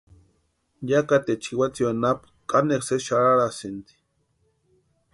Yakateecha jiwatsio anapu kanekwa sésï xarharasïnti.